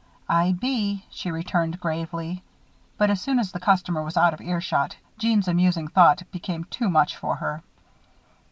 "I be," she returned, gravely. But as soon as the customer was out of earshot, Jeanne's amusing thought became too much for her.